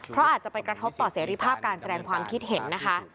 เพราะอาจจะไปกระทบต่อเสรีภาพการแสดงความคิดเห็นนะคะ